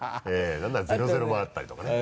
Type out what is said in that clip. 何なら０−０もあったりとかね。